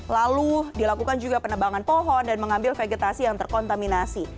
lalu dilakukan juga penebangan pohon dan mengambil vegetasi yang terkontaminasi